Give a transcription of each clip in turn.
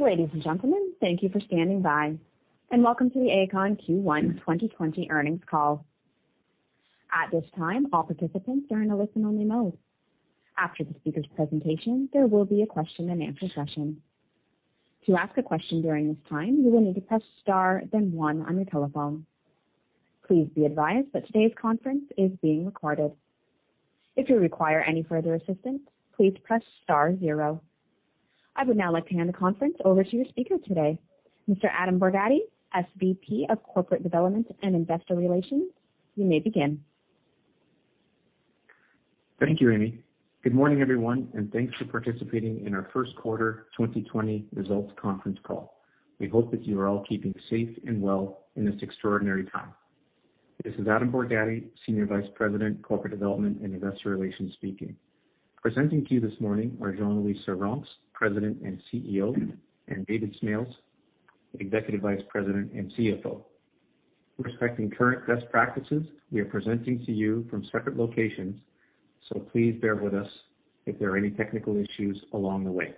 Ladies and gentlemen, thank you for standing by, and welcome to the Aecon Q1 2020 earnings call. At this time, all participants are in a listen-only mode. After the speaker's presentation, there will be a question and answer session. To ask a question during this time, you will need to press star then one on your telephone. Please be advised that today's conference is being recorded. If you require any further assistance, please press star zero. I would now like to hand the conference over to your speaker today, Mr. Adam Borgatti, SVP of Corporate Development and Investor Relations. You may begin. Thank you, Amy. Good morning, everyone, and thanks for participating in our first quarter 2020 results conference call. We hope that you are all keeping safe and well in this extraordinary time. This is Adam Borgatti, Senior Vice President, Corporate Development, and Investor Relations speaking. Presenting to you this morning are Jean-Louis Servranckx, President and CEO, and David Smales, Executive Vice President and CFO. Respecting current best practices, we are presenting to you from separate locations, so please bear with us if there are any technical issues along the way.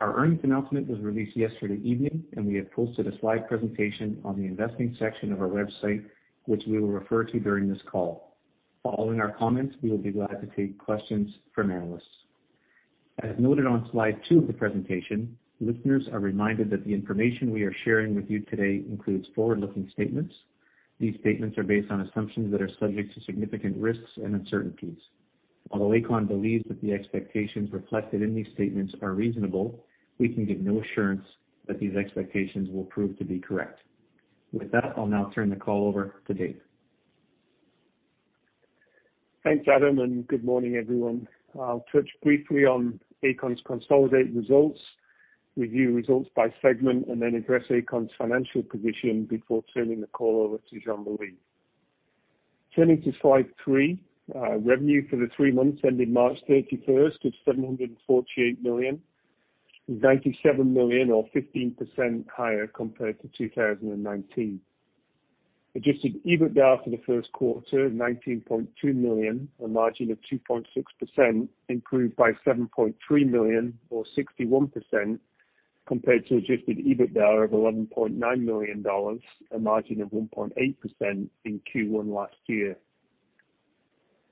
Our earnings announcement was released yesterday evening, and we have posted a slide presentation on the investing section of our website, which we will refer to during this call. Following our comments, we will be glad to take questions from analysts. As noted on slide two of the presentation, listeners are reminded that the information we are sharing with you today includes forward-looking statements. These statements are based on assumptions that are subject to significant risks and uncertainties. Although Aecon believes that the expectations reflected in these statements are reasonable, we can give no assurance that these expectations will prove to be correct. With that, I'll now turn the call over to Dave. Thanks, Adam, and good morning, everyone. I'll touch briefly on Aecon's consolidated results, review results by segment, and then address Aecon's financial position before turning the call over to Jean-Louis. Turning to slide three, revenue for the three months ending March 31st is 748 million, 97 million or 15% higher compared to 2019. Adjusted EBITDA for the first quarter, 19.2 million, a margin of 2.6%, improved by 7.3 million or 61% compared to adjusted EBITDA of 11.9 million dollars, a margin of 1.8% in Q1 last year.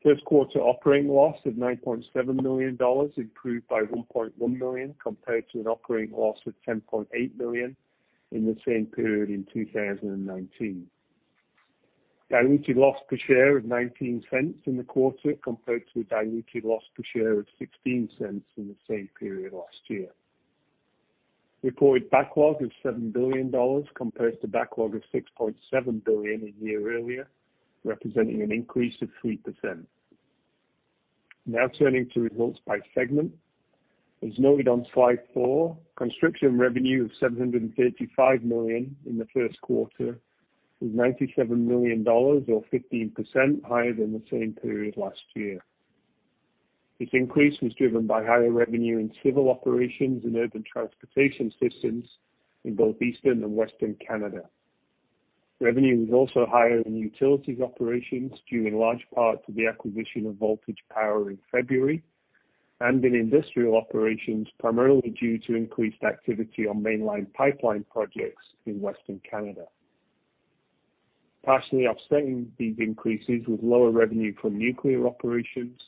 First quarter operating loss of 9.7 million dollars improved by 1.1 million compared to an operating loss of 10.8 million in the same period in 2019. Diluted loss per share of 0.19 in the quarter compared to a diluted loss per share of 0.16 in the same period last year. Reported backlog of 7 billion dollars compared to backlog of 6.7 billion a year earlier, representing an increase of 3%. Turning to results by segment. As noted on slide four, construction revenue of 735 million in the first quarter was 97 million dollars or 15% higher than the same period last year. This increase was driven by higher revenue in civil operations and urban transportation systems in both Eastern and Western Canada. Revenue was also higher in utilities operations due in large part to the acquisition of Voltage Power in February and in industrial operations, primarily due to increased activity on mainline pipeline projects in Western Canada. Partially offsetting these increases was lower revenue from nuclear operations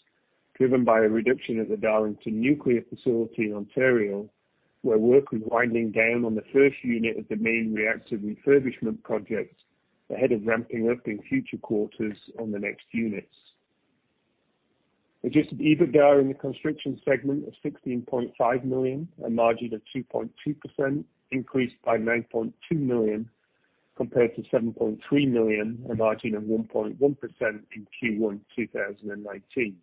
driven by a reduction at the Darlington nuclear facility in Ontario, where work was winding down on the first unit of the main reactor refurbishment project ahead of ramping up in future quarters on the next units. Adjusted EBITDA in the construction segment of 16.5 million, a margin of 2.2%, increased by 9.2 million compared to 7.3 million, a margin of 1.1% in Q1 2019.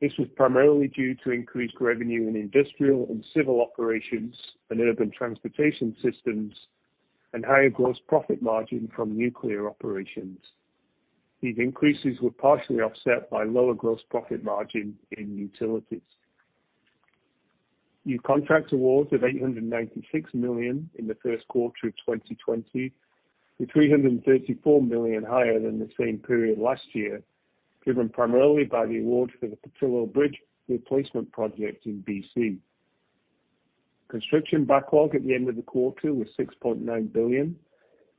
This was primarily due to increased revenue in industrial and civil operations and urban transportation systems and higher gross profit margin from nuclear operations. These increases were partially offset by lower gross profit margin in utilities. New contract awards of 896 million in the first quarter of 2020 were 334 million higher than the same period last year, driven primarily by the award for the Pattullo Bridge replacement project in BC. Construction backlog at the end of the quarter was 6.9 billion,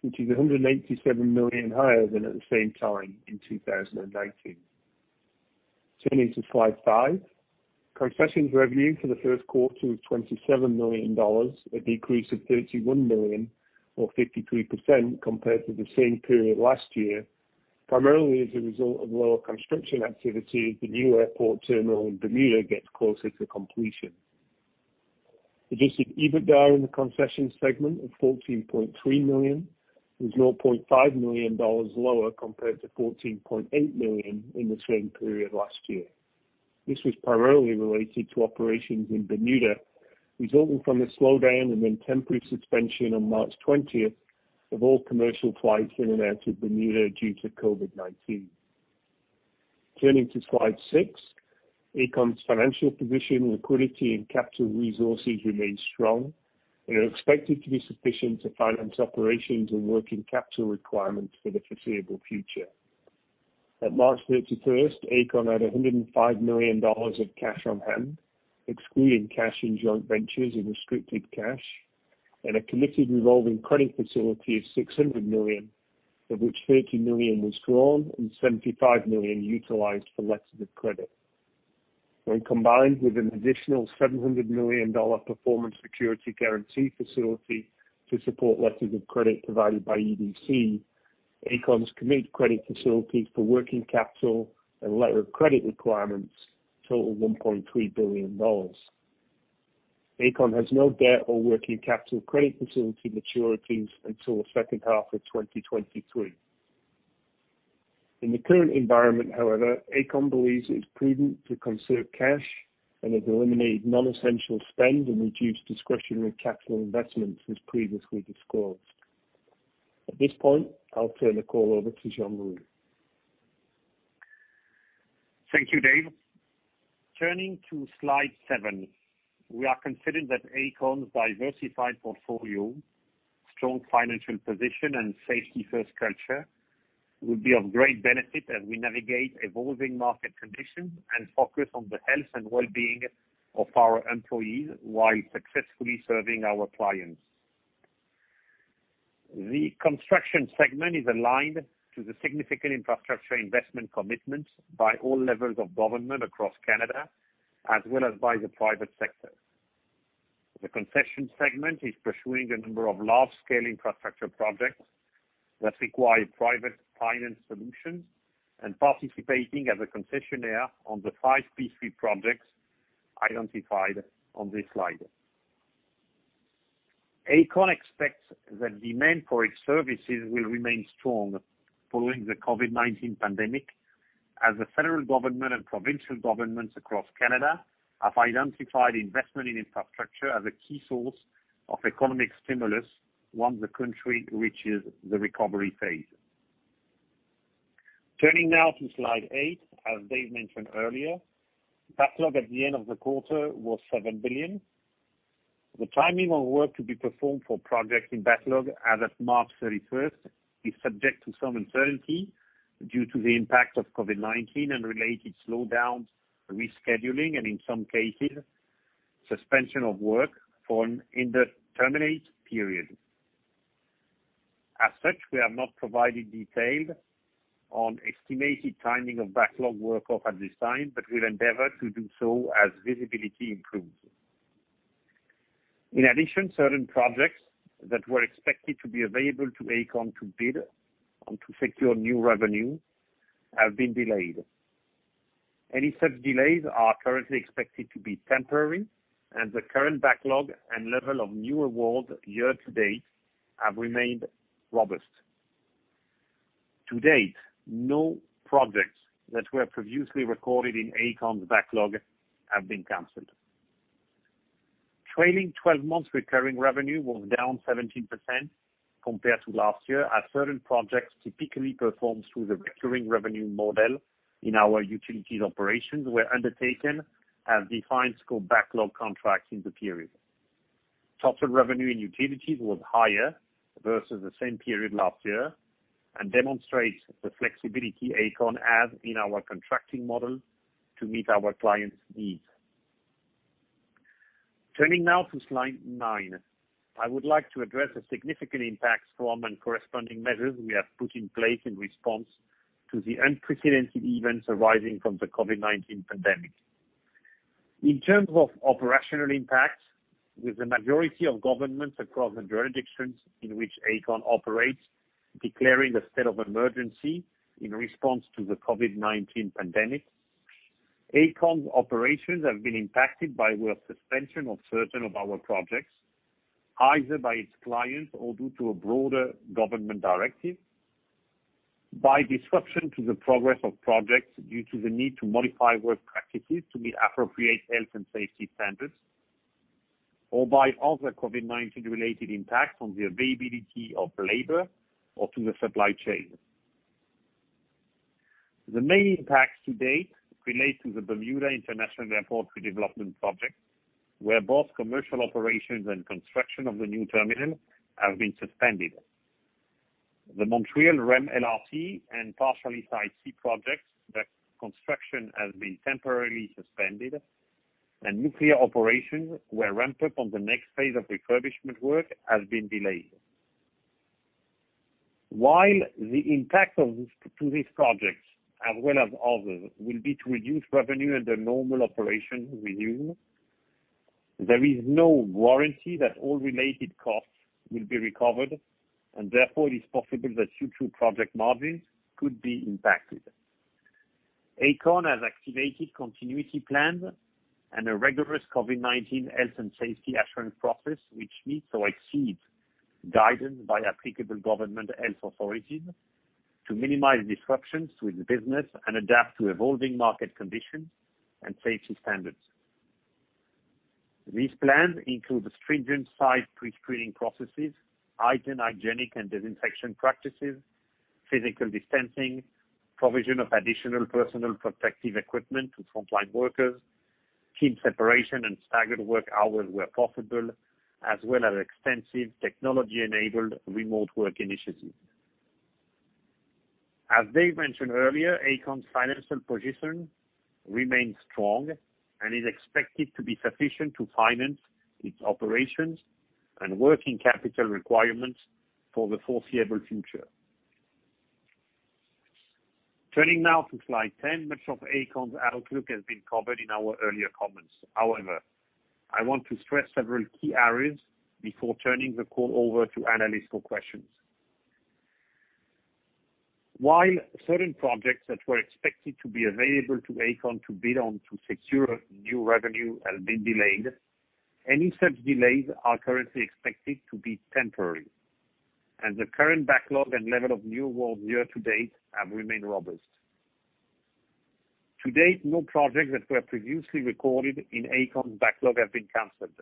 which is 187 million higher than at the same time in 2019. Turning to slide five. Concessions revenue for the first quarter was 27 million dollars, a decrease of 31 million or 53% compared to the same period last year, primarily as a result of lower construction activity as the new airport terminal in Bermuda gets closer to completion. Adjusted EBITDA in the concessions segment of 14.3 million was 0.5 million dollars lower compared to 14.8 million in the same period last year. This was primarily related to operations in Bermuda, resulting from the slowdown and then temporary suspension on March 20th of all commercial flights in and out of Bermuda due to COVID-19. Turning to slide six, Aecon's financial position, liquidity, and capital resources remain strong and are expected to be sufficient to finance operations and working capital requirements for the foreseeable future. At March 31st, Aecon had 105 million dollars of cash on hand, excluding cash in joint ventures and restricted cash, and a committed revolving credit facility of 600 million, of which 30 million was drawn and 75 million utilized for letters of credit. When combined with an additional 700 million dollar performance security guarantee facility to support letters of credit provided by EDC, Aecon's committed credit facilities for working capital and letter of credit requirements total 1.3 billion dollars. Aecon has no debt or working capital credit facility maturities until the second half of 2023. In the current environment, however, Aecon believes it is prudent to conserve cash and has eliminated non-essential spend and reduced discretionary capital investments as previously disclosed. At this point, I'll turn the call over to Jean-Louis. Thank you, Dave. Turning to slide seven. We are confident that Aecon's diversified portfolio, strong financial position, and safety-first culture will be of great benefit as we navigate evolving market conditions and focus on the health and well-being of our employees while successfully serving our clients. The construction segment is aligned to the significant infrastructure investment commitments by all levels of government across Canada, as well as by the private sector. The concession segment is pursuing a number of large-scale infrastructure projects that require private finance solutions, and participating as a concessionaire on the five P3 projects identified on this slide. Aecon expects that demand for its services will remain strong following the COVID-19 pandemic, as the federal government and provincial governments across Canada have identified investment in infrastructure as a key source of economic stimulus once the country reaches the recovery phase. Turning now to slide eight. As Dave mentioned earlier, backlog at the end of the quarter was 7 billion. The timing of work to be performed for projects in backlog as of March 31st is subject to some uncertainty due to the impact of COVID-19 and related slowdowns, rescheduling, and in some cases, suspension of work for an indeterminate period. As such, we have not provided detail on estimated timing of backlog work off at this time, but we'll endeavor to do so as visibility improves. In addition, certain projects that were expected to be available to Aecon to bid on to secure new revenue have been delayed. Any such delays are currently expected to be temporary, and the current backlog and level of new awards year to date have remained robust. To date, no projects that were previously recorded in Aecon's backlog have been canceled. Trailing 12 months recurring revenue was down 17% compared to last year, as certain projects typically performed through the recurring revenue model in our utilities operations were undertaken as defined scope backlog contracts in the period. Total revenue in utilities was higher versus the same period last year and demonstrates the flexibility Aecon has in our contracting model to meet our clients' needs. Turning now to slide nine. I would like to address the significant impacts from and corresponding measures we have put in place in response to the unprecedented events arising from the COVID-19 pandemic. In terms of operational impacts, with the majority of governments across the jurisdictions in which Aecon operates declaring a state of emergency in response to the COVID-19 pandemic, Aecon's operations have been impacted by work suspension of certain of our projects, either by its clients or due to a broader government directive, by disruption to the progress of projects due to the need to modify work practices to meet appropriate health and safety standards, or by other COVID-19 related impacts on the availability of labor or to the supply chain. The main impacts to date relate to the Bermuda International Airport redevelopment project, where both commercial operations and construction of the new terminal have been suspended. The Montreal REM LRT and partially Site C projects that construction has been temporarily suspended, and nuclear operations where ramp-up on the next phase of refurbishment work has been delayed. While the impact to these projects, as well as others, will be to reduce revenue and the normal operation resumes, there is no warranty that all related costs will be recovered, and therefore, it is possible that future project margins could be impacted. Aecon has activated continuity plans and a rigorous COVID-19 health and safety assurance process, which meets or exceeds guidance by applicable government health authorities to minimize disruptions to its business and adapt to evolving market conditions and safety standards. These plans include stringent site pre-screening processes, heightened hygienic and disinfection practices, physical distancing, provision of additional personal protective equipment to frontline workers, team separation and staggered work hours where possible, as well as extensive technology-enabled remote work initiatives. As Dave mentioned earlier, Aecon's financial position remains strong and is expected to be sufficient to finance its operations and working capital requirements for the foreseeable future. Turning now to slide 10, much of Aecon's outlook has been covered in our earlier comments. However, I want to stress several key areas before turning the call over to analyst for questions. While certain projects that were expected to be available to Aecon to bid on to secure new revenue have been delayed, any such delays are currently expected to be temporary, and the current backlog and level of new awards year to date have remained robust. To date, no projects that were previously recorded in Aecon backlog have been canceled.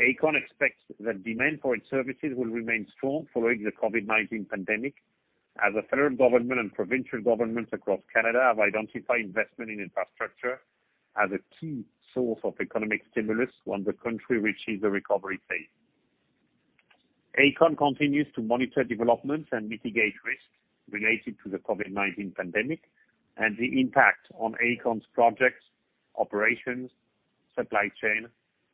Aecon expects that demand for its services will remain strong following the COVID-19 pandemic, as the federal government and provincial governments across Canada have identified investment in infrastructure as a key source of economic stimulus when the country reaches the recovery phase. Aecon continues to monitor developments and mitigate risks related to the COVID-19 pandemic and the impact on Aecon's projects, operations, supply chain,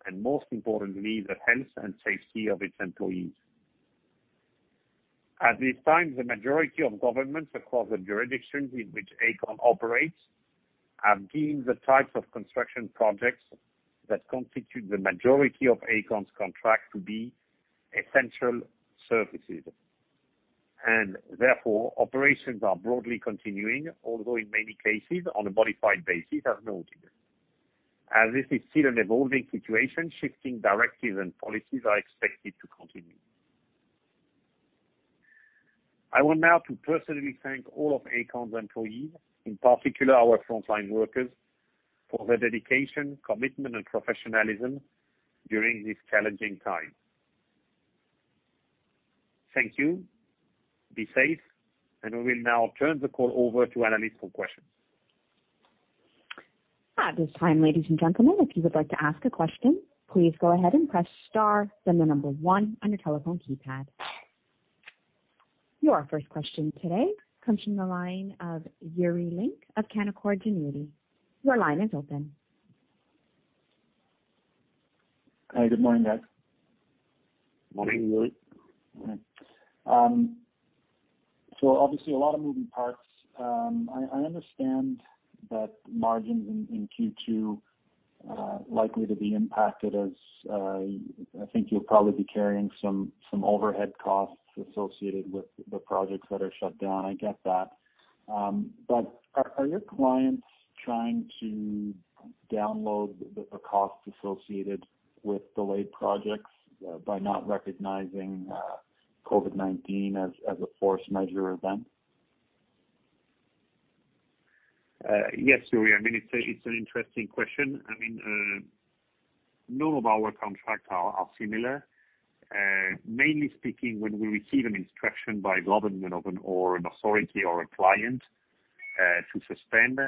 and most importantly, the health and safety of its employees. At this time, the majority of governments across the jurisdictions in which Aecon operates have deemed the types of construction projects that constitute the majority of Aecon's contract to be essential services, and therefore, operations are broadly continuing, although in many cases on a modified basis, as noted. As this is still an evolving situation, shifting directives and policies are expected to continue. I want now to personally thank all of Aecon's employees, in particular our frontline workers, for their dedication, commitment, and professionalism during this challenging time. Thank you. Be safe, and we will now turn the call over to analyst for questions. At this time, ladies and gentlemen, if you would like to ask a question, please go ahead and press star, then the number one on your telephone keypad. Your first question today comes from the line of Yuri Lynk of Canaccord Genuity. Your line is open. Hi, good morning, guys. Morning, Yuri. Obviously, a lot of moving parts. I understand that margins in Q2 likely to be impacted as I think you'll probably be carrying some overhead costs associated with the projects that are shut down. I get that. Are your clients trying to download the cost associated with delayed projects by not recognizing COVID-19 as a force majeure event? Yes, Yuri. It's an interesting question. None of our contracts are similar. Mainly speaking, when we receive an instruction by government or an authority or a client to suspend,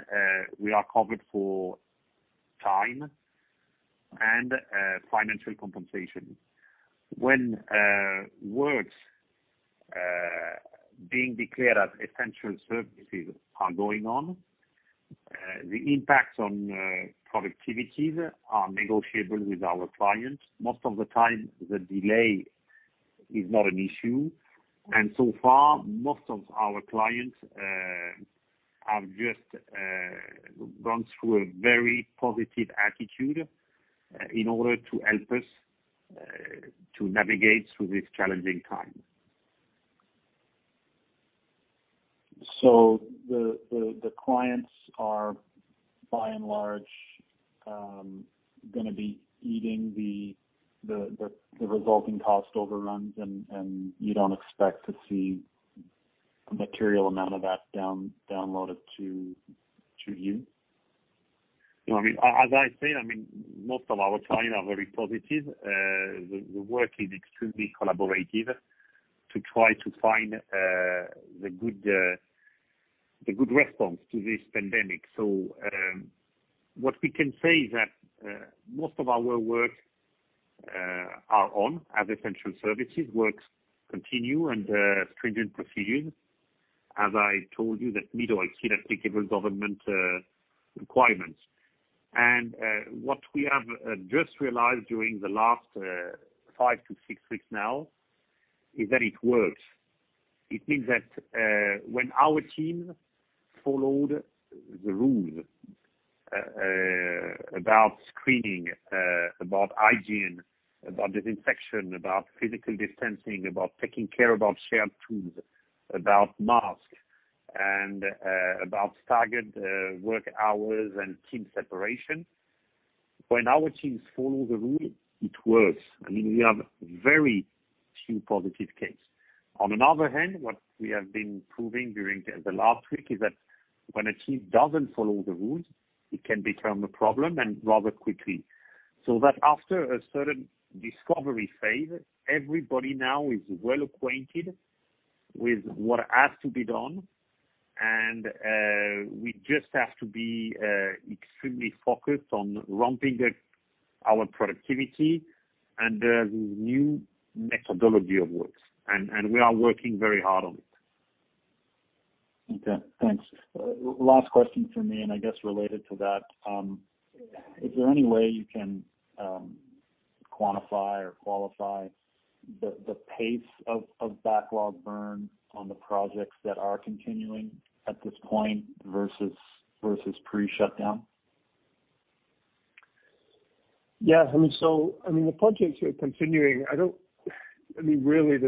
we are covered for time and financial compensation. When works being declared as essential services are going on, the impacts on productivity are negotiable with our clients. Most of the time, the delay is not an issue, and so far, most of our clients have just gone through a very positive attitude in order to help us to navigate through this challenging time. The clients are by and large going to be eating the resulting cost overruns, and you don't expect to see a material amount of that downloaded to you? As I said, most of our clients are very positive. The work is extremely collaborative to try to find the good response to this pandemic. What we can say is that most of our work are on as essential services. Works continue under stringent procedures. As I told you, that meet all Canadian applicable government requirements. What we have just realized during the last five-six weeks now is that it works. It means that when our team followed the rules about screening, about hygiene, about disinfection, about physical distancing, about taking care about shared tools, about masks, and about staggered work hours and team separation. When our teams follow the rules, it works. We have very few positive cases. On another hand, what we have been proving during the last week is that when a team doesn't follow the rules, it can become a problem and rather quickly. After a certain discovery phase, everybody now is well acquainted with what has to be done, and we just have to be extremely focused on ramping our productivity and the new methodology of works, and we are working very hard on it. Okay, thanks. Last question from me, and I guess related to that, is there any way you can quantify or qualify the pace of backlog burn on the projects that are continuing at this point versus pre-shutdown? Yeah. The projects are continuing. Really,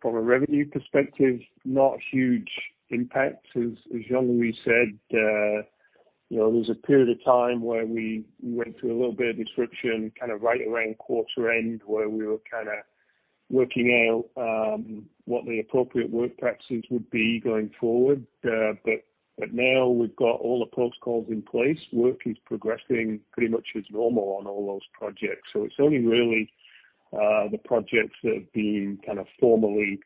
from a revenue perspective, not huge impact. As Jean-Louis said, there was a period of time where we went through a little bit of disruption right around quarter end, where we were working out what the appropriate work practices would be going forward. Now we've got all the protocols in place. Work is progressing pretty much as normal on all those projects. It's only really the projects that have been formally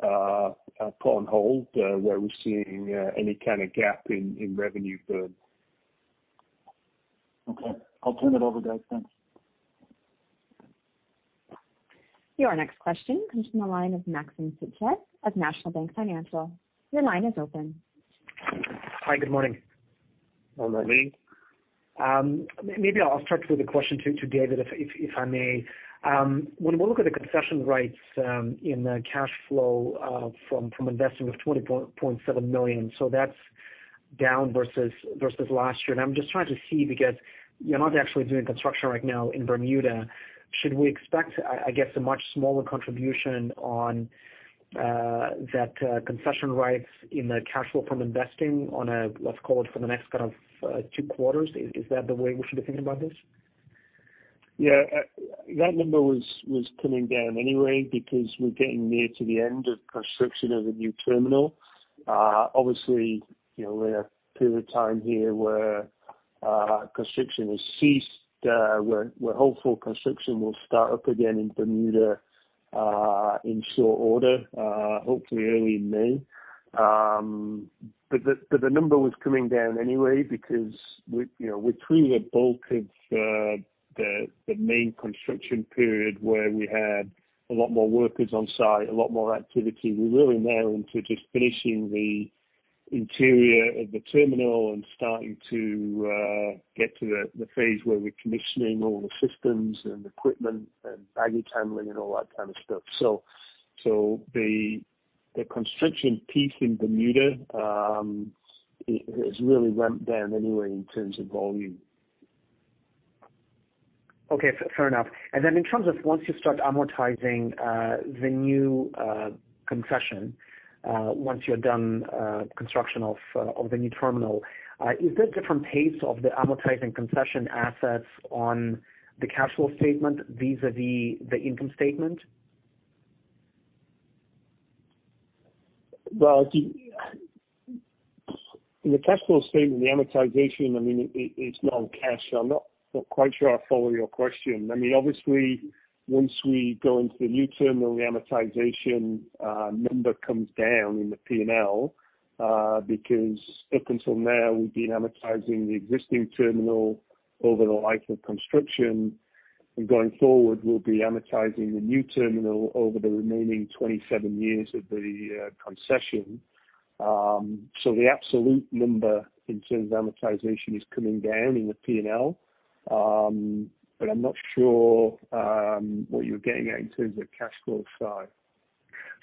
put on hold, where we're seeing any kind of gap in revenue burn. Okay. I'll turn it over, guys. Thanks. Your next question comes from the line of Maxim Sytchev of National Bank Financial. Your line is open. Hi, good morning. Good morning. Maybe I'll start with a question to David, if I may. When we look at the concession rights in the cash flow from investing of 20.7 million. That's down versus last year. I'm just trying to see, because you're not actually doing construction right now in Bermuda. Should we expect, I guess, a much smaller contribution on that concession rights in the cash flow from investing on a, let's call it, for the next two quarters? Is that the way we should be thinking about this? Yeah. That number was coming down anyway because we're getting near to the end of construction of the new terminal. Obviously, we're in a period of time here where construction has ceased. We're hopeful construction will start up again in Bermuda in short order, hopefully early May. The number was coming down anyway because we're through the bulk of the main construction period where we had a lot more workers on site, a lot more activity. We're really now into just finishing the interior of the terminal and starting to get to the phase where we're commissioning all the systems and equipment and baggage handling and all that kind of stuff. The construction piece in Bermuda has really ramped down anyway in terms of volume. Okay. Fair enough. In terms of once you start amortizing the new concession, once you're done construction of the new terminal, is there a different pace of the amortizing concession assets on the cash flow statement vis-a-vis the income statement? In the cash flow statement, the amortization, it's non-cash. I'm not quite sure I follow your question. Obviously, once we go into the new terminal, the amortization number comes down in the P&L because up until now, we've been amortizing the existing terminal over the life of construction. Going forward, we'll be amortizing the new terminal over the remaining 27 years of the concession. The absolute number in terms of amortization is coming down in the P&L. I'm not sure what you're getting at in terms of cash flow side.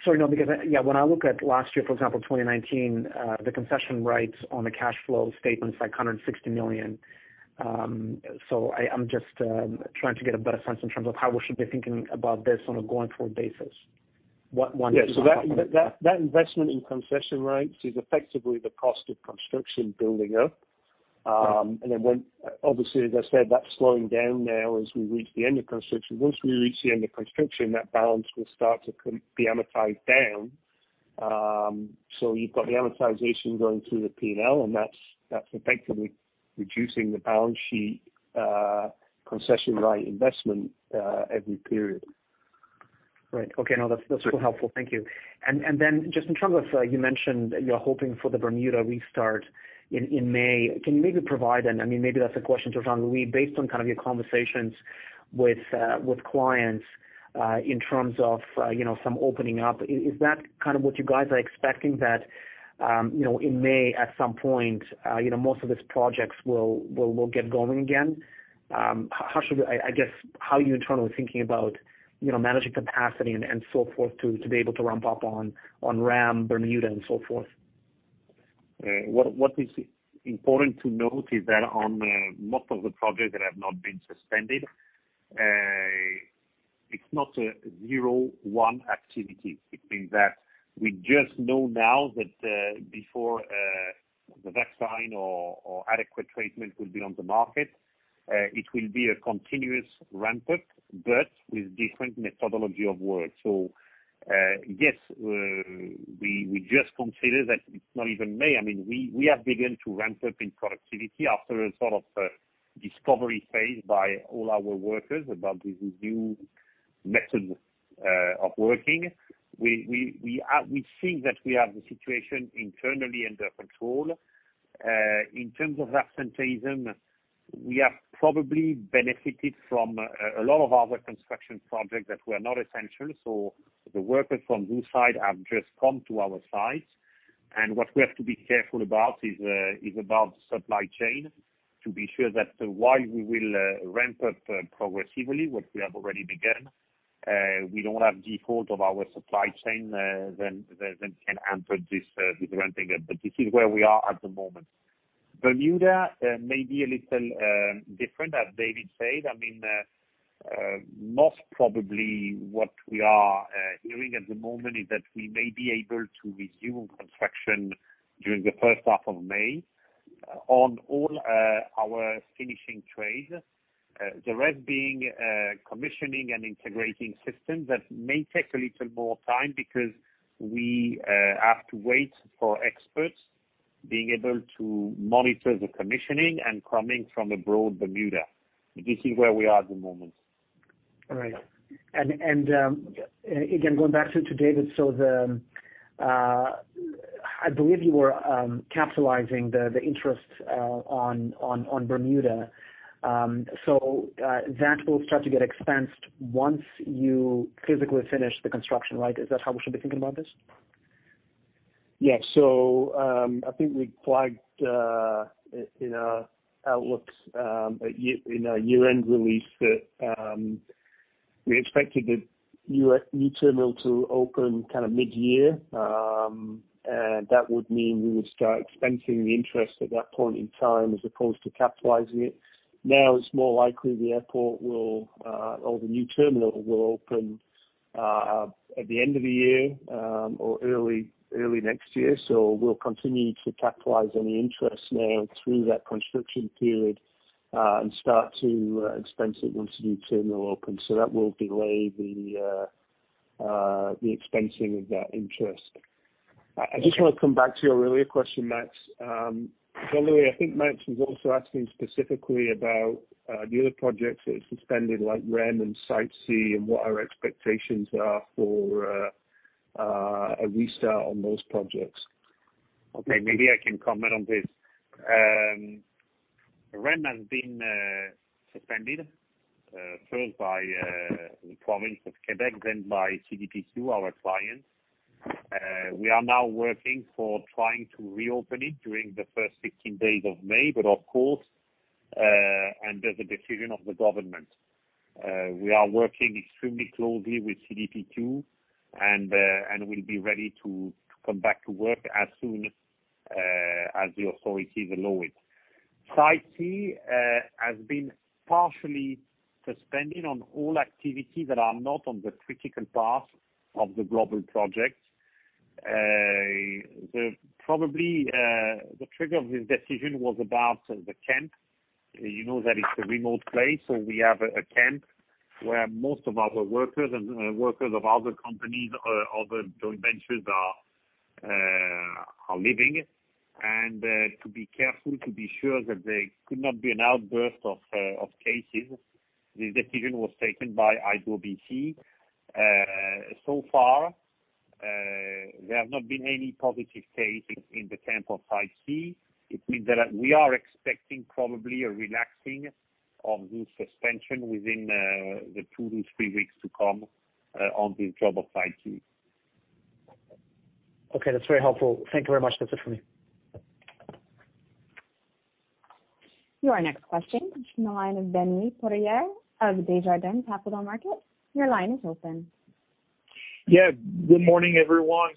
Sorry. Because when I look at last year, for example, 2019, the concession rights on the cash flow statement is like 160 million. I'm just trying to get a better sense in terms of how we should be thinking about this on a going-forward basis? Yeah. That investment in concession rights is effectively the cost of construction building up. Right. Obviously, as I said, that's slowing down now as we reach the end of construction. Once we reach the end of construction, that balance will start to be amortized down. You've got the amortization going through the P&L, and that's effectively reducing the balance sheet concession right investment every period. Right. Okay. No, that's really helpful. Thank you. Then just in terms of, you mentioned you're hoping for the Bermuda restart in May. Can you maybe provide, and maybe that's a question to Jean-Louis, based on your conversations with clients in terms of some opening up, is that what you guys are expecting that in May, at some point, most of these projects will get going again? I guess how are you internally thinking about managing capacity and so forth to be able to ramp up on REM, Bermuda, and so forth? What is important to note is that on most of the projects that have not been suspended, it's not a zero one activity. It means that we just know now that before the vaccine or adequate treatment will be on the market, it will be a continuous ramp-up, but with different methodology of work. Yes, we just consider that it's not even May. We have begun to ramp up in productivity after a sort of discovery phase by all our workers about this new method of working. We think that we have the situation internally under control. In terms of absenteeism, we have probably benefited from a lot of other construction projects that were not essential. The workers from those sites have just come to our sites. What we have to be careful about is about supply chain, to be sure that while we will ramp up progressively, what we have already begun, we don't have default of our supply chain, then can hamper this ramping up. This is where we are at the moment. Bermuda may be a little different, as David said. Most probably what we are hearing at the moment is that we may be able to resume construction during the first half of May on all our finishing trades. The rest being commissioning and integrating systems that may take a little more time because we have to wait for experts being able to monitor the commissioning and coming from abroad Bermuda. This is where we are at the moment. All right. Going back to David, I believe you were capitalizing the interest on Bermuda. That will start to get expensed once you physically finish the construction, right? Is that how we should be thinking about this? Yeah. I think we flagged in our year-end release that we expected the new terminal to open kind of mid-year. That would mean we would start expensing the interest at that point in time as opposed to capitalizing it. Now it's more likely the new terminal will open at the end of the year or early next year. We'll continue to capitalize any interest now through that construction period, and start to expense it once the new terminal opens. That will delay the expensing of that interest. I just want to come back to your earlier question, Max. By the way, I think Max was also asking specifically about the other projects that are suspended, like REM and Site C, and what our expectations are for a restart on those projects. Maybe I can comment on this. REM has been suspended, first by the province of Quebec, then by CDPQ, our clients. We are now working for trying to reopen it during the first 15 days of May, under the decision of the government. We are working extremely closely with CDPQ, we'll be ready to come back to work as soon as the authorities allow it. Site C has been partially suspending on all activities that are not on the critical path of the global project. Probably, the trigger of this decision was about the camp. You know that it's a remote place, we have a camp where most of our workers and workers of other joint ventures are living. To be careful, to be sure that there could not be an outburst of cases, this decision was taken by BC Hydro. There have not been any positive cases in the camp of Site C. It means that we are expecting probably a relaxing of this suspension within the two to three weeks to come on the job of Site C. Okay, that's very helpful. Thank you very much. That's it for me. Your next question comes from the line of Benoit Poirier of Desjardins Capital Markets. Your line is open. Yeah. Good morning, everyone.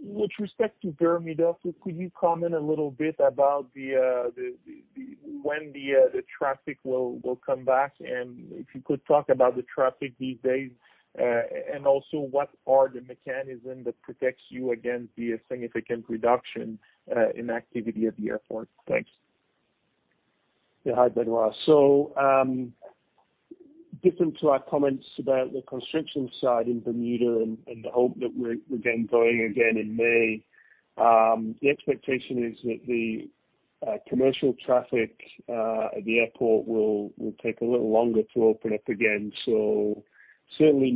With respect to Bermuda, could you comment a little bit about when the traffic will come back? If you could talk about the traffic these days, and also what are the mechanism that protects you against the significant reduction in activity at the airport? Thanks. Hi, Benoit. Different to our comments about the construction side in Bermuda and the hope that we're then going again in May, the expectation is that the commercial traffic at the airport will take a little longer to open up again. We'll see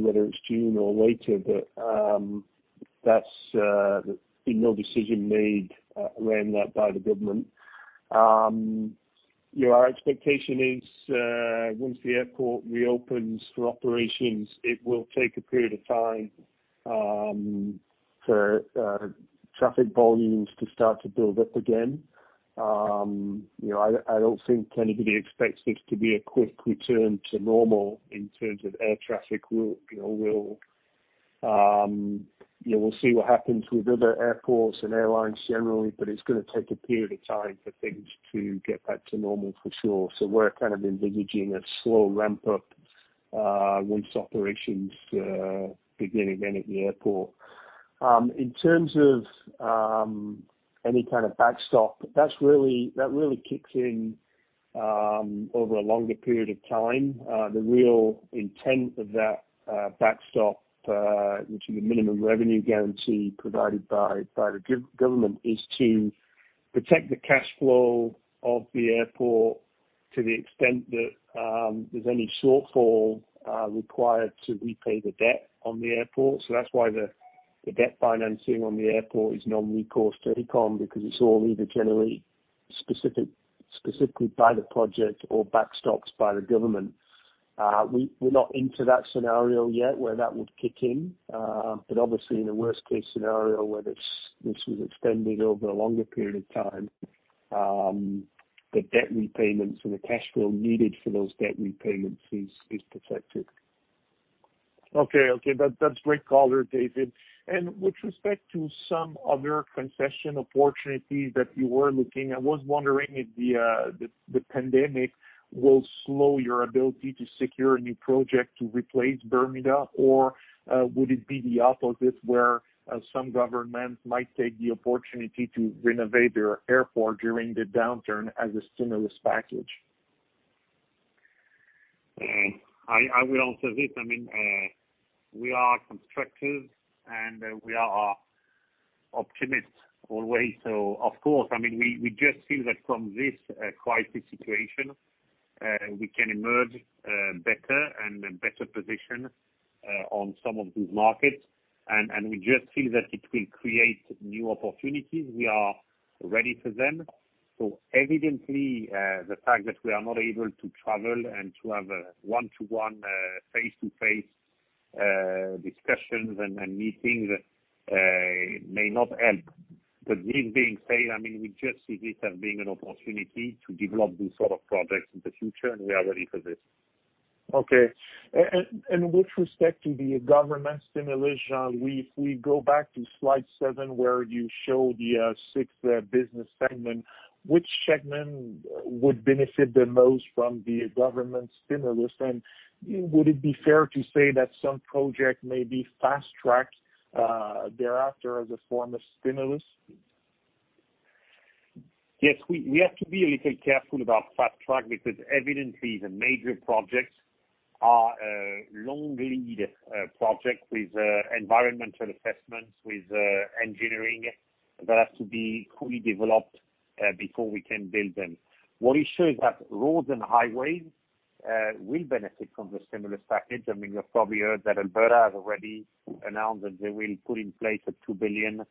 whether it's June or later, there's been no decision made around that by the government. Our expectation is, once the airport reopens for operations, it will take a period of time for traffic volumes to start to build up again. I don't think anybody expects this to be a quick return to normal in terms of air traffic. We'll see what happens with other airports and airlines generally, it's going to take a period of time for things to get back to normal for sure. We're kind of envisaging a slow ramp-up once operations begin again at the airport. In terms of any kind of backstop, that really kicks in over a longer period of time. The real intent of that backstop, which is a minimum revenue guarantee provided by the government, is to protect the cash flow of the airport to the extent that there's any shortfall required to repay the debt on the airport. That's why the debt financing on the airport is non-recourse to Aecon, because it's all either generally specifically by the project or backstops by the government. We're not into that scenario yet where that would kick in. Obviously in a worst-case scenario where this was extended over a longer period of time, the debt repayments or the cash flow needed for those debt repayments is protected. Okay. That's great color, David. With respect to some other concession opportunities that you were looking, I was wondering if the pandemic will slow your ability to secure a new project to replace Bermuda, or would it be the opposite, where some governments might take the opportunity to renovate their airport during the downturn as a stimulus package? I will answer this. We are constructive, and we are optimists always. Of course, we just feel that from this crisis situation, we can emerge better and in better position on some of these markets, and we just feel that it will create new opportunities. We are ready for them. Evidently, the fact that we are not able to travel and to have one-to-one, face-to-face discussions and meetings may not help. This being said, we just see this as being an opportunity to develop these sort of projects in the future, and we are ready for this. Okay. With respect to the government stimulus, Jean, if we go back to slide seven where you show the six business segments, which segment would benefit the most from the government stimulus, and would it be fair to say that some projects may be fast-tracked thereafter as a form of stimulus? Yes. We have to be a little careful about fast track because evidently the major projects are long lead projects with environmental assessments, with engineering that has to be fully developed before we can build them. What is sure is that roads and highways will benefit from the stimulus package. You've probably heard that Alberta has already announced that they will put in place a 2 billion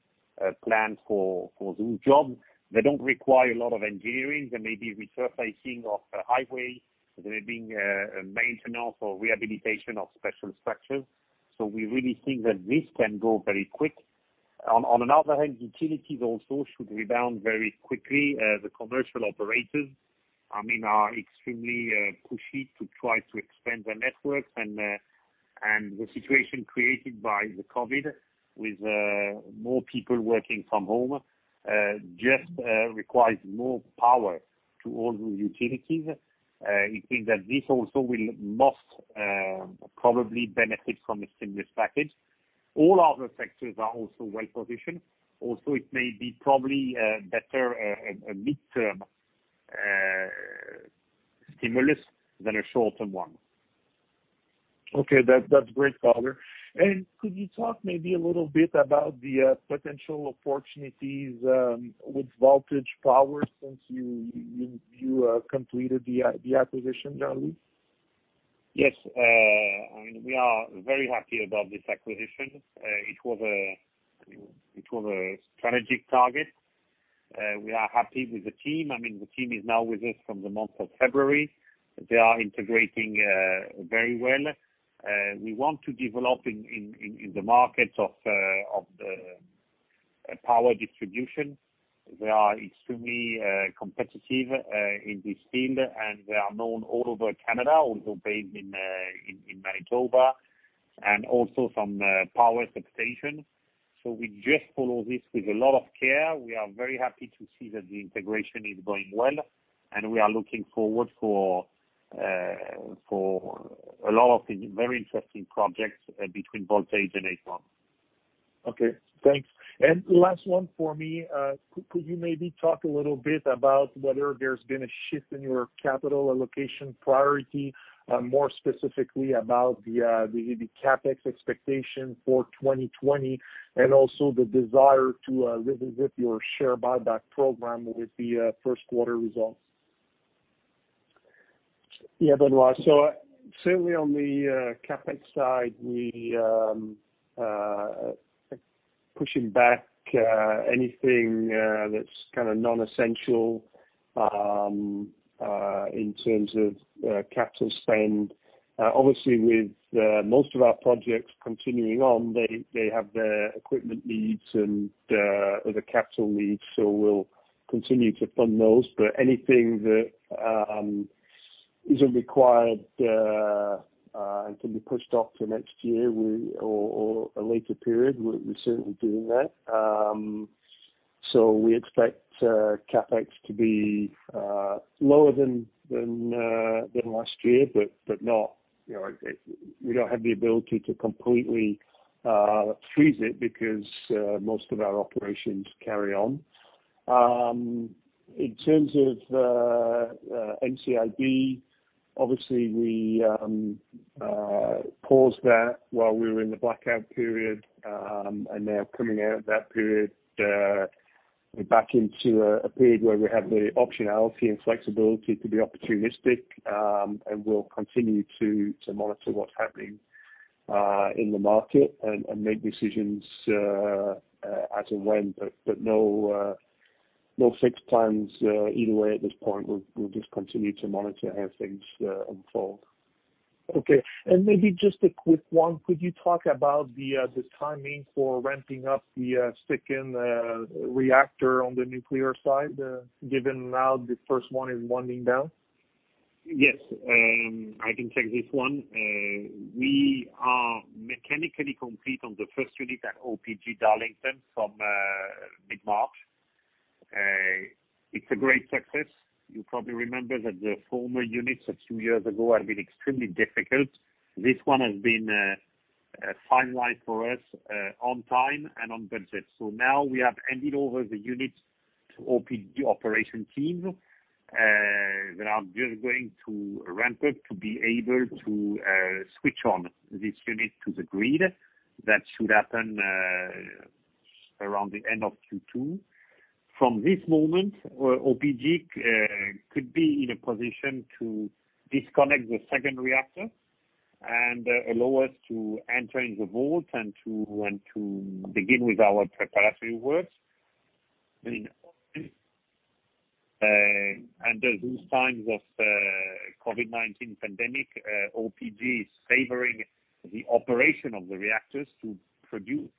plan for new jobs. They don't require a lot of engineering. There may be resurfacing of highways. There may be maintenance or rehabilitation of special structures. We really think that this can go very quick. On another hand, utilities also should rebound very quickly. The commercial operators are extremely pushy to try to expand their networks, and the situation created by the COVID with more people working from home just requires more power to all the utilities. We think that this also will most probably benefit from the stimulus package. All other sectors are also well-positioned. It may be probably better a midterm stimulus than a short-term one. Okay. That's great color. Could you talk maybe a little bit about the potential opportunities with Voltage Power since you completed the acquisition, Jean-Louis? Yes. We are very happy about this acquisition. It was a strategic target. We are happy with the team. The team is now with us from the month of February. They are integrating very well. We want to develop in the markets of power distribution. They are extremely competitive in this field, and they are known all over Canada, although based in Manitoba, and also some power substations. We just follow this with a lot of care. We are very happy to see that the integration is going well, and we are looking forward for a lot of very interesting projects between Voltage Power and Aecon. Okay, thanks. Last one for me. Could you maybe talk a little bit about whether there's been a shift in your capital allocation priority, more specifically about the CapEx expectation for 2020 and also the desire to revisit your share buyback program with the first quarter results? Benoit. Certainly on the CapEx side, we are pushing back anything that's non-essential in terms of capital spend. Obviously, with most of our projects continuing on, they have their equipment needs and other capital needs, so we'll continue to fund those. Anything that isn't required and can be pushed off to next year or a later period, we're certainly doing that. We expect CapEx to be lower than last year, but we don't have the ability to completely freeze it because most of our operations carry on. In terms of NCIB, obviously we paused that while we were in the blackout period. Now coming out of that period, we're back into a period where we have the optionality and flexibility to be opportunistic, and we'll continue to monitor what's happening in the market and make decisions as and when. No fixed plans either way at this point. We'll just continue to monitor how things unfold. Okay. Maybe just a quick one. Could you talk about the timing for ramping up the second reactor on the nuclear side, given now the first one is winding down? Yes, I can take this one. We are mechanically complete on the first unit at OPG Darlington from mid-March. It's a great success. You probably remember that the former units a few years ago had been extremely difficult. This one has been finalized for us on time and on budget. Now we have handed over the unit to OPG operation team, that are just going to ramp it to be able to switch on this unit to the grid. That should happen around the end of Q2. From this moment, OPG could be in a position to disconnect the second reactor and allow us to enter in the vault and to begin with our preparatory works. Under these times of COVID-19 pandemic, OPG is favoring the operation of the reactors to produce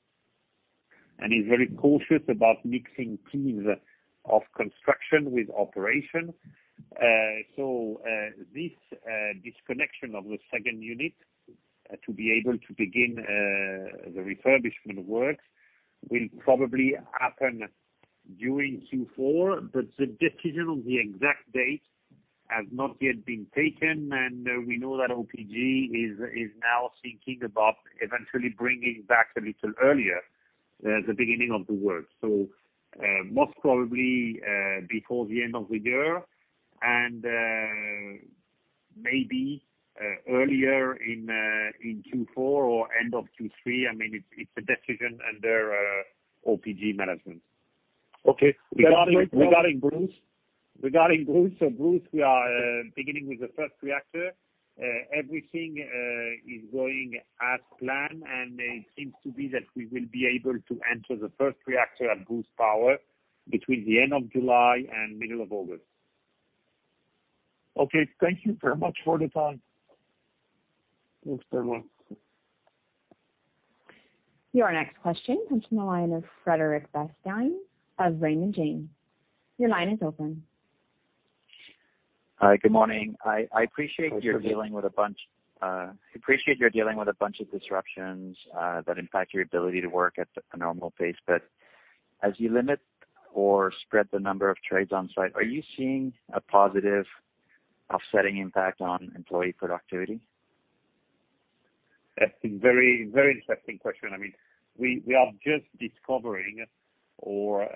and is very cautious about mixing teams of construction with operation. This disconnection of the second unit to be able to begin the refurbishment works will probably happen during Q4, but the decision on the exact date has not yet been taken. We know that OPG is now thinking about eventually bringing back a little earlier, the beginning of the work. Most probably before the end of the year and maybe earlier in Q4 or end of Q3. It's a decision under OPG management. Okay. Regarding Bruce? Regarding Bruce. Bruce, we are beginning with the first reactor. Everything is going as planned, and it seems to be that we will be able to enter the first reactor at Bruce Power between the end of July and middle of August. Okay. Thank you very much for the time. Thanks very much. Your next question comes from the line of Frederic Bastien of Raymond James. Your line is open. Hi, good morning. Good morning. I appreciate you're dealing with a bunch of disruptions that impact your ability to work at a normal pace, but as you limit or spread the number of trades on site, are you seeing a positive offsetting impact on employee productivity? That's a very interesting question. We are just discovering or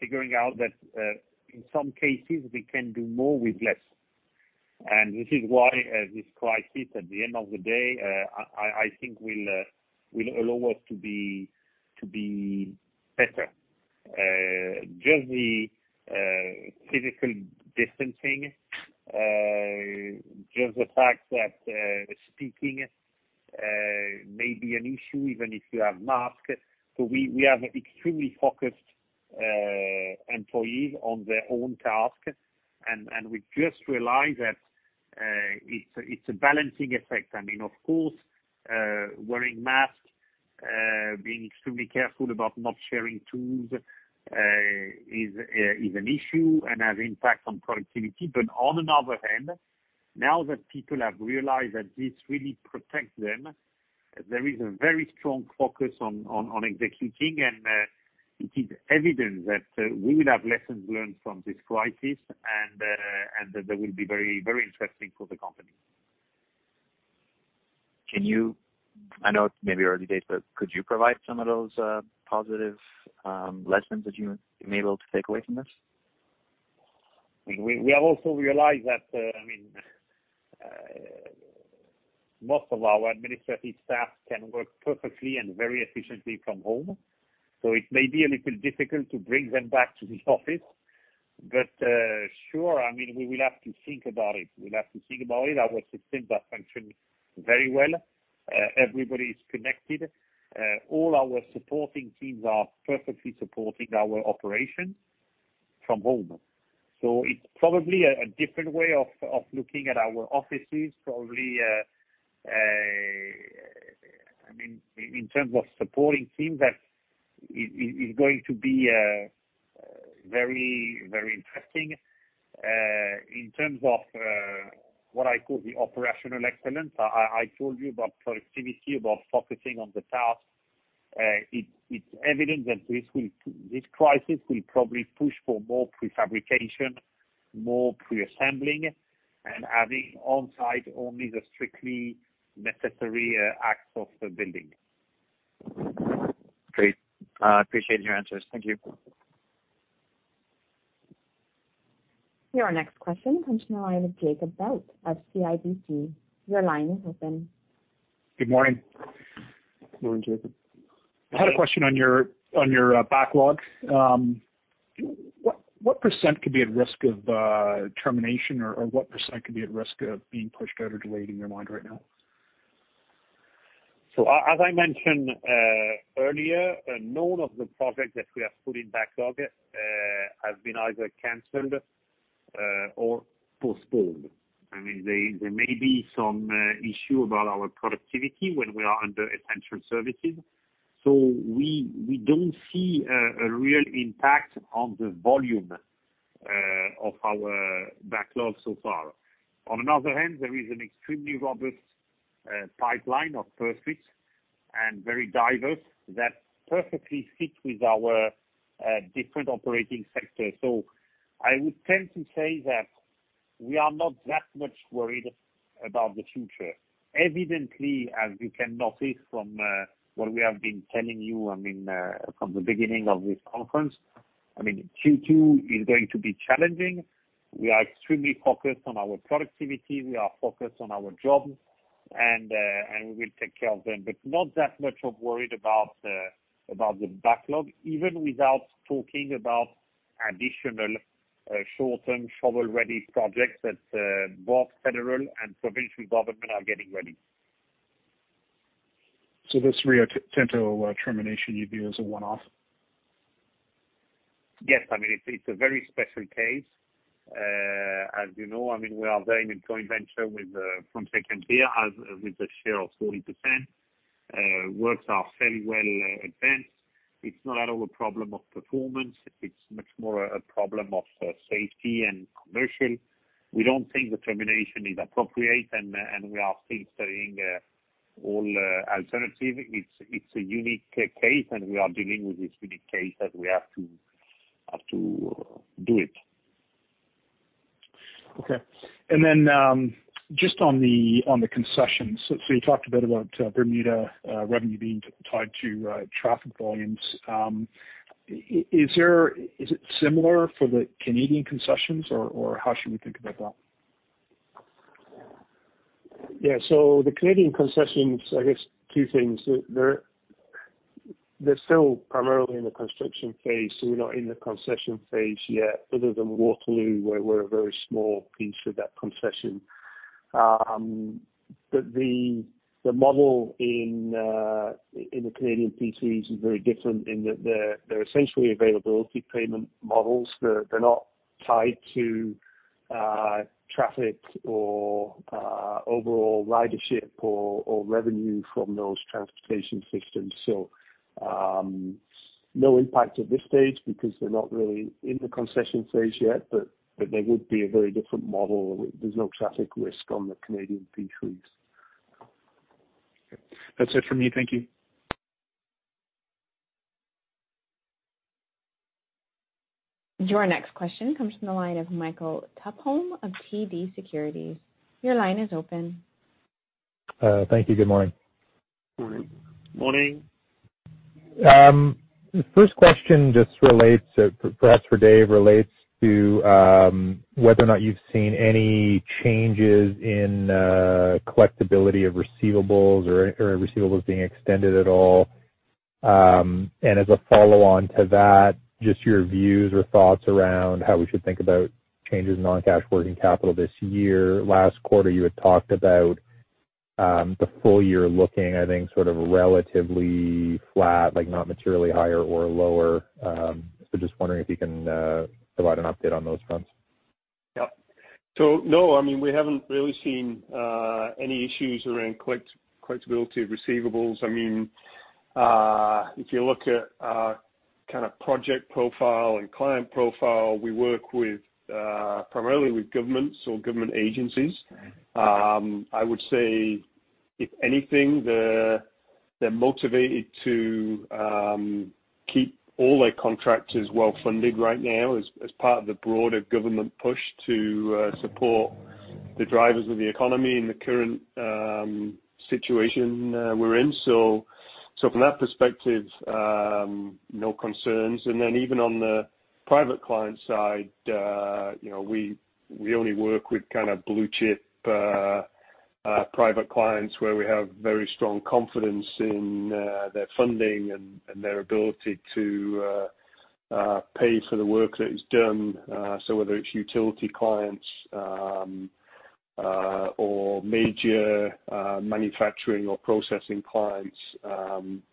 figuring out that in some cases we can do more with less. This is why this crisis, at the end of the day, I think will allow us to be better. Just the physical distancing, just the fact that speaking may be an issue even if you have mask. We have extremely focused employees on their own task, and we just realized that it's a balancing effect. Of course, wearing masks, being extremely careful about not sharing tools is an issue and has impact on productivity. On another hand, now that people have realized that this really protects them, there is a very strong focus on executing. It is evident that we will have lessons learned from this crisis, and they will be very interesting for the company. I know it's maybe early days, but could you provide some of those positive lessons that you may be able to take away from this? We have also realized that most of our administrative staff can work perfectly and very efficiently from home, so it may be a little difficult to bring them back to the office. Sure, we will have to think about it. Our systems are functioning very well. Everybody is connected. All our supporting teams are perfectly supporting our operations from home. It's probably a different way of looking at our offices. Probably, in terms of supporting teams, that is going to be very interesting. In terms of what I call the operational excellence, I told you about productivity, about focusing on the task. It's evident that this crisis will probably push for more prefabrication, more pre-assembling. Having on-site only the strictly necessary access of the building. Great. I appreciate your answers. Thank you. Your next question comes from the line of Jacob Bout of CIBC. Your line is open. Good morning. Morning, Jacob. I had a question on your backlog. What percent could be at risk of termination or what percent could be at risk of being pushed out or delayed in your mind right now? As I mentioned earlier, none of the projects that we have put in backlog have been either canceled or postponed. There may be some issue about our productivity when we are under essential services. We don't see a real impact on the volume of our backlog so far. On another hand, there is an extremely robust pipeline of prospects and very diverse that perfectly fit with our different operating sectors. I would tend to say that we are not that much worried about the future. Evidently, as you can notice from what we have been telling you from the beginning of this conference, Q2 is going to be challenging. We are extremely focused on our productivity. We are focused on our jobs, and we will take care of them, but not that much worried about the backlog, even without talking about additional short-term shovel-ready projects that both federal and provincial government are getting ready. This Rio Tinto termination you view as a one-off? Yes. It's a very special case. As you know, we are very much joint venture with Frontier-Kemper as with a share of 40%. Works are fairly well advanced. It's not at all a problem of performance. It's much more a problem of safety and commercial. We don't think the termination is appropriate, and we are still studying all alternatives. It's a unique case, and we are dealing with this unique case as we have to do it. Just on the concessions. You talked a bit about Bermuda revenue being tied to traffic volumes. Is it similar for the Canadian concessions, or how should we think about that? Yeah. The Canadian concessions, I guess two things. They're still primarily in the construction phase, we're not in the concession phase yet, other than Waterloo, where we're a very small piece of that concession. The model in the Canadian P3s is very different in that they're essentially availability payment models. They're not tied to traffic or overall ridership or revenue from those transportation systems. No impact at this stage because they're not really in the concession phase yet. They would be a very different model. There's no traffic risk on the Canadian P3s. Okay. That's it for me. Thank you. Your next question comes from the line of Michael Tupholme of TD Securities. Your line is open. Thank you. Good morning. Morning. Morning. The first question, perhaps for Dave, relates to whether or not you've seen any changes in collectability of receivables or receivables being extended at all. As a follow-on to that, just your views or thoughts around how we should think about changes in non-cash working capital this year. Last quarter, you had talked about the full year looking, I think, sort of relatively flat, like not materially higher or lower. Just wondering if you can provide an update on those fronts? Yep. No, we haven't really seen any issues around collectability of receivables. If you look at our project profile and client profile, we work primarily with governments or government agencies. Okay. I would say, if anything, they're motivated to keep all their contractors well-funded right now as part of the broader government push to support the drivers of the economy in the current situation we're in. From that perspective, no concerns. Even on the private client side, we only work with blue-chip private clients where we have very strong confidence in their funding and their ability to pay for the work that is done. Whether it's utility clients or major manufacturing or processing clients,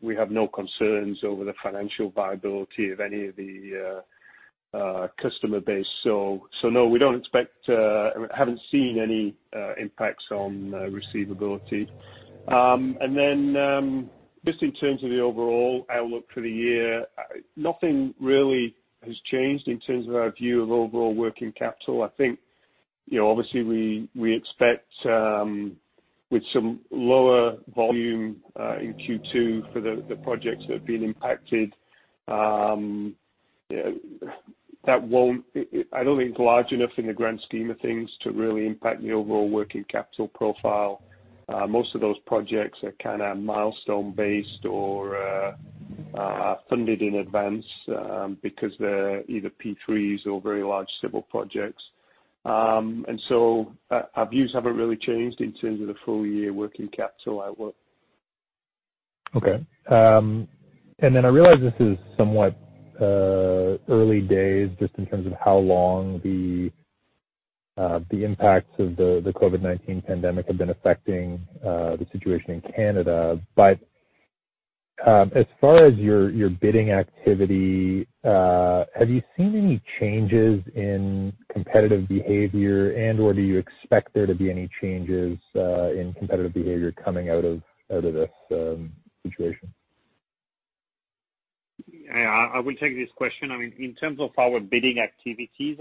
we have no concerns over the financial viability of any of the customer base. No, we haven't seen any impacts on receivability. Just in terms of the overall outlook for the year, nothing really has changed in terms of our view of overall working capital. I think, obviously, we expect some lower volume in Q2 for the projects that have been impacted. I don't think large enough in the grand scheme of things to really impact the overall working capital profile. Most of those projects are kind of milestone-based or are funded in advance because they're either P3s or very large civil projects. Our views haven't really changed in terms of the full year working capital outlook. Okay. I realize this is somewhat early days, just in terms of how long the impacts of the COVID-19 pandemic have been affecting the situation in Canada. As far as your bidding activity, have you seen any changes in competitive behavior, and/or do you expect there to be any changes in competitive behavior coming out of this situation? Yeah, I will take this question. In terms of our bidding activities,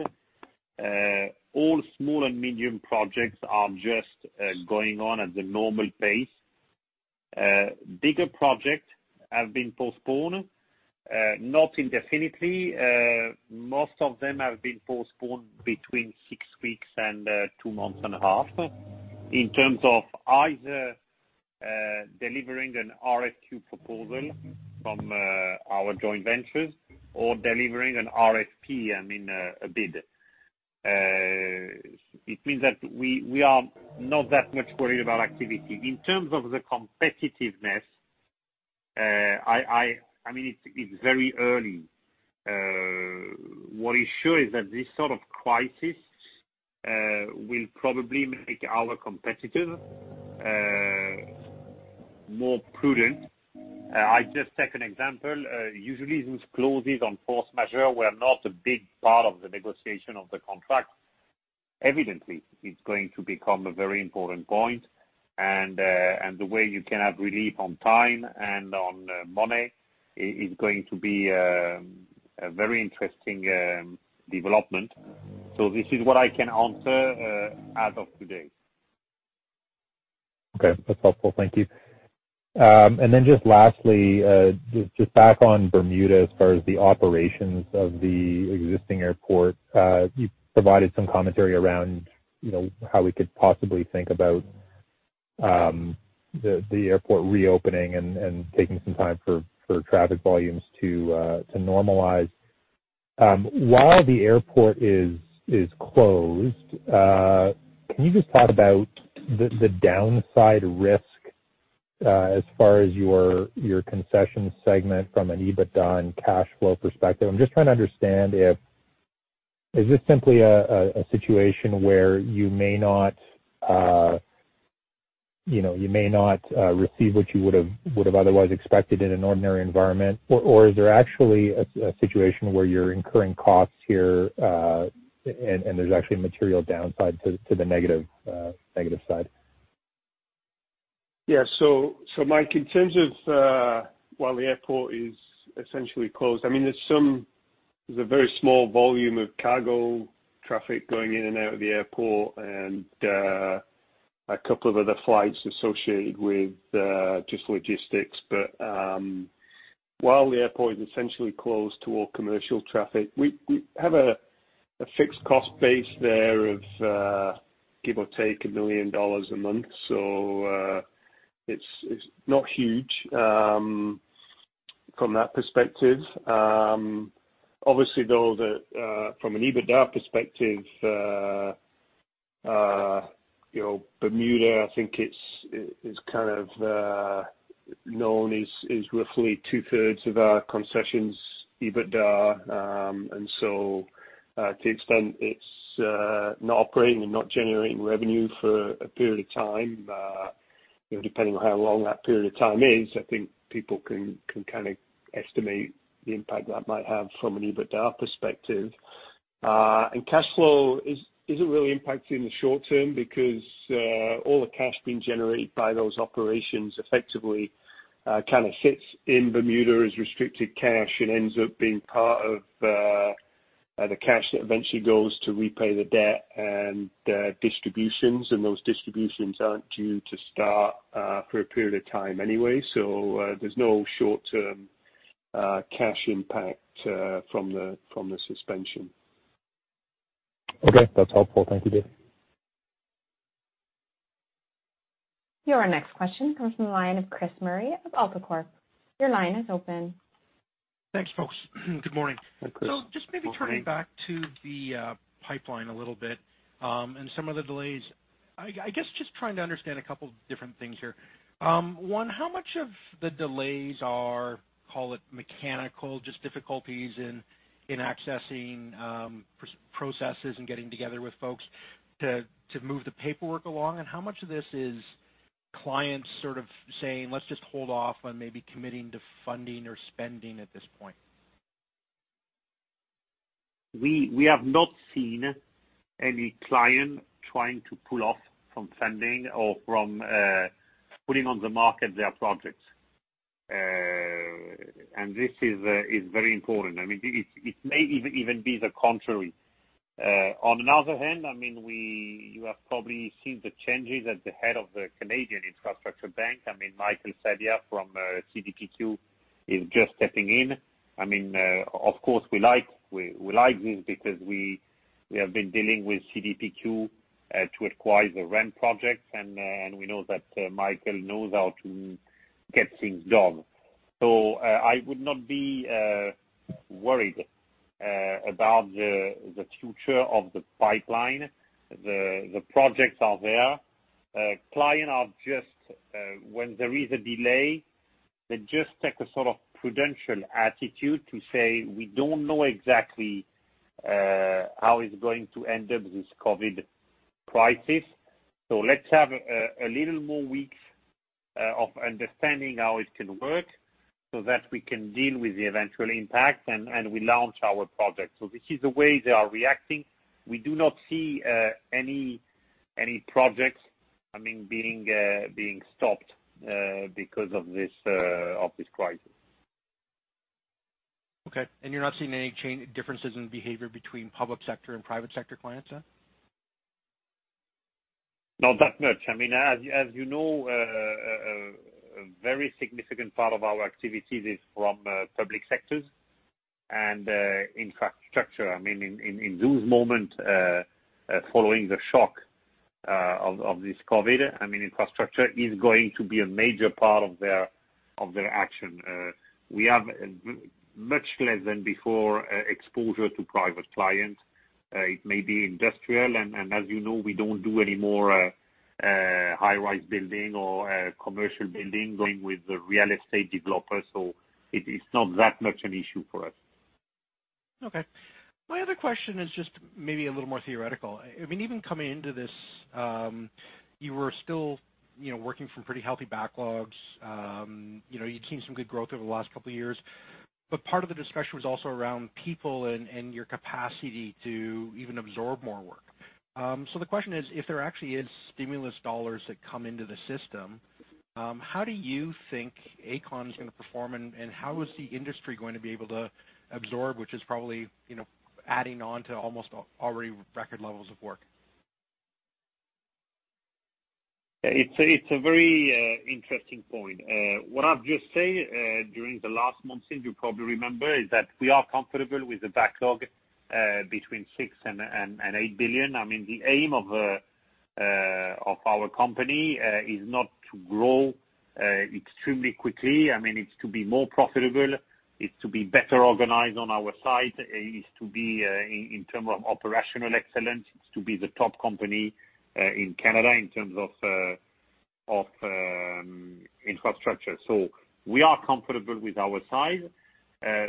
all small and medium projects are just going on at the normal pace. Bigger project have been postponed, not indefinitely. Most of them have been postponed between six weeks and two months and a half. In terms of either delivering an RFQ proposal from our joint ventures or delivering an RFP, I mean, a bid. It means that we are not that much worried about activity. In terms of the competitiveness, it's very early. What is sure is that this sort of crisis will probably make our competitor more prudent. I just take an example. Usually, these clauses on force majeure were not a big part of the negotiation of the contract. Evidently, it's going to become a very important point, and the way you can have relief on time and on money is going to be a very interesting development. This is what I can answer as of today. Okay. That's helpful. Thank you. Then just lastly, just back on Bermuda as far as the operations of the existing airport. You provided some commentary around how we could possibly think about the airport reopening and taking some time for traffic volumes to normalize. While the airport is closed, can you just talk about the downside risk as far as your concession segment from an EBITDA and cash flow perspective? I'm just trying to understand if, is this simply a situation where you may not receive what you would have otherwise expected in an ordinary environment? Is there actually a situation where you're incurring costs here, there's actually material downside to the negative side? Mike, in terms of while the airport is essentially closed, there's a very small volume of cargo traffic going in and out of the airport and a couple of other flights associated with just logistics. While the airport is essentially closed to all commercial traffic, we have a fixed cost base there of give or take 1 million dollars a month. It's not huge from that perspective. Obviously, though, from an EBITDA perspective, Bermuda, I think it's kind of known as roughly 2/3 of our concessions EBITDA. To the extent it's not operating and not generating revenue for a period of time, depending on how long that period of time is, I think people can kind of estimate the impact that might have from an EBITDA perspective. Cash flow isn't really impacted in the short term because all the cash being generated by those operations effectively kind of sits in Bermuda as restricted cash and ends up being part of the cash that eventually goes to repay the debt and distributions. Those distributions aren't due to start for a period of time anyway. There's no short-term cash impact from the suspension. Okay. That's helpful. Thank you, Dave. Your next question comes from the line of Chris Murray of AltaCorp. Your line is open. Thanks, folks. Good morning. Hi, Chris. Good morning. Just maybe turning back to the pipeline a little bit, and some of the delays. I guess just trying to understand a couple different things here. One, how much of the delays are, call it mechanical, just difficulties in accessing processes and getting together with folks to move the paperwork along? How much of this is clients sort of saying, "Let's just hold off on maybe committing to funding or spending at this point"? We have not seen any client trying to pull off from funding or from putting on the market their projects. This is very important. It may even be the contrary. On another hand, you have probably seen the changes at the head of the Canadian Infrastructure Bank. Michael Sabia from CDPQ is just stepping in. We like this because we have been dealing with CDPQ to acquire the REM projects, and we know that Michael knows how to get things done. I would not be worried about the future of the pipeline. The projects are there. Client are just, when there is a delay, they just take a sort of prudential attitude to say, "We don't know exactly how it's going to end up, this COVID-19 crisis. Let's have a little more weeks of understanding how it can work, so that we can deal with the eventual impact, and we launch our project. This is the way they are reacting. We do not see any projects being stopped because of this crisis. Okay. You're not seeing any differences in behavior between public sector and private sector clients, then? Not that much. As you know, a very significant part of our activities is from public sectors and infrastructure. In those moments, following the shock of this COVID-19, infrastructure is going to be a major part of their action. We have much less than before exposure to private clients. It may be industrial, and as you know, we don't do any more high-rise building or commercial building going with the real estate developer, so it is not that much an issue for us. Okay. My other question is just maybe a little more theoretical. Even coming into this, you were still working from pretty healthy backlogs. You'd seen some good growth over the last couple of years, but part of the discussion was also around people and your capacity to even absorb more work. The question is, if there actually is stimulus dollars that come into the system, how do you think Aecon is going to perform, and how is the industry going to be able to absorb, which is probably adding on to almost already record levels of work? It's a very interesting point. What I've just said during the last months, and you probably remember, is that we are comfortable with the backlog between 6 billion and 8 billion. The aim of our company is not to grow extremely quickly. It's to be more profitable. It's to be better organized on our site. It's to be, in term of operational excellence, it's to be the top company in Canada in terms of infrastructure. We are comfortable with our size.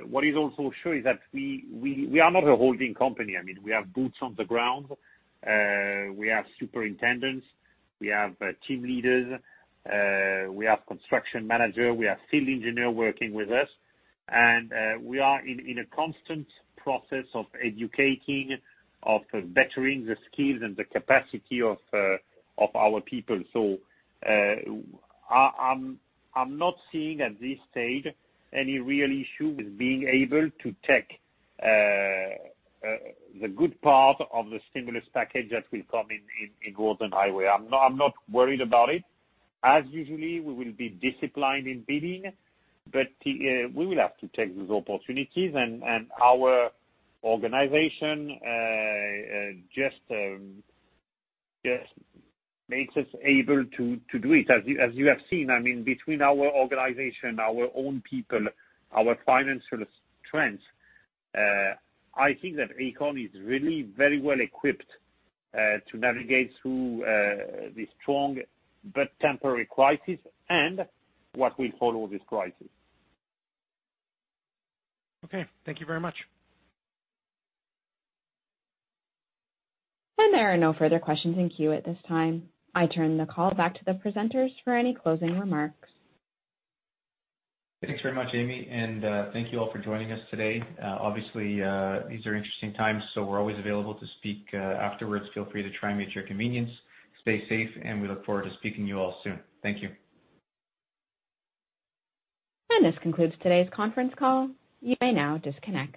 What is also sure is that we are not a holding company. We have boots on the ground. We have superintendents. We have team leaders. We have construction manager. We have field engineer working with us. We are in a constant process of educating, of bettering the skills and the capacity of our people. I'm not seeing, at this stage, any real issue with being able to take the good part of the stimulus package that will come in golden highway. I'm not worried about it. As usual, we will be disciplined in bidding, but we will have to take those opportunities, and our organization just makes us able to do it. As you have seen, between our organization, our own people, our financial strength, I think that Aecon is really very well-equipped to navigate through this strong but temporary crisis and what will follow this crisis. Okay. Thank you very much. There are no further questions in queue at this time. I turn the call back to the presenters for any closing remarks. Thanks very much, Amy, and thank you all for joining us today. Obviously, these are interesting times, so we're always available to speak afterwards. Feel free to try and meet at your convenience. Stay safe, and we look forward to speaking to you all soon. Thank you. This concludes today's conference call. You may now disconnect.